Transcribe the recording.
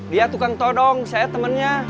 dia tukang todong saya temannya